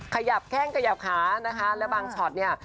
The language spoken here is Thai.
ขยับแข้งขยับขานะคะและบางช็อตเนี่ย